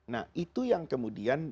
nah itu yang kemudian